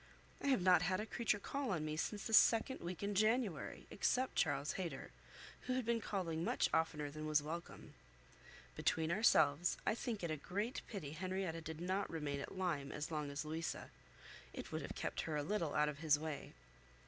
I have not had a creature call on me since the second week in January, except Charles Hayter, who had been calling much oftener than was welcome. Between ourselves, I think it a great pity Henrietta did not remain at Lyme as long as Louisa; it would have kept her a little out of his way.